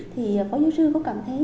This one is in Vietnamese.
thì bố dấu sư có cảm thấy